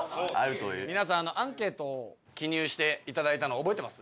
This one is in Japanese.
「皆さんアンケートを記入していただいたの覚えてます？」